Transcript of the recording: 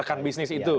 rekan bisnis itu